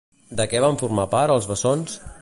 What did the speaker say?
De què van formar part els bessons?